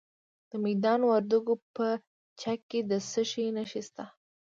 د میدان وردګو په چک کې د څه شي نښې دي؟